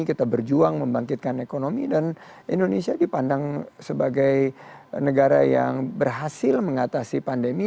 kita berjuang membangkitkan ekonomi dan indonesia dipandang sebagai negara yang berhasil mengatasi pandemi